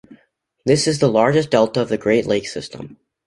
This is the largest delta of the Great Lakes System.